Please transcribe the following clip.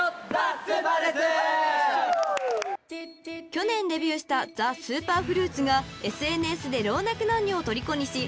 ［去年デビューしたＴＨＥＳＵＰＥＲＦＲＵＩＴがＳＮＳで老若男女をとりこにし話題となった『チグハグ』を披露］